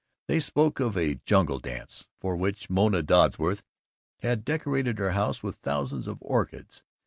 They spoke of a "jungle dance" for which Mona Dodsworth had decorated her house with thousands of orchids.